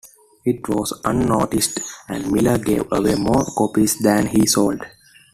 It was unnoticed and Miller gave away more copies than he sold.